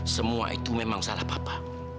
semua itu memang salah papa